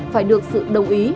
phải được sự đồng ý